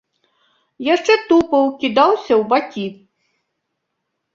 Яшчэ тупаў, кідаўся ў бакі.